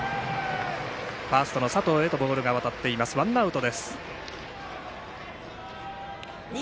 ファーストの佐藤へとボールがわたって、ワンアウト。